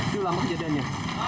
cukup lama kejadiannya